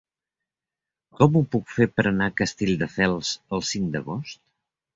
Com ho puc fer per anar a Castelldefels el cinc d'agost?